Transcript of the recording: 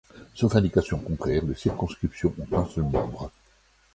Sauf indication contraire, les circonscriptions on un seul membre.